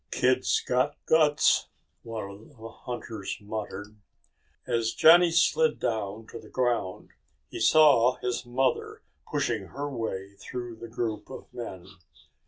"Kid's got guts," one of the hunters muttered. As Johnny slid down to the ground, he saw his mother pushing her way through the group of men.